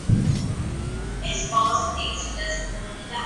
His boss thinks he doesn't work enough.